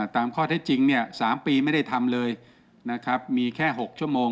ตามข้อที่จริง๓ปีไม่ได้ทำเลยมีแค่๖ชั่วโมง